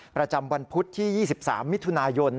ประจำวันพุธที่๒๓มิถุนายน